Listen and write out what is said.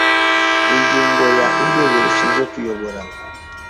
Ingingo ya Urwego rushinzwe kuyobora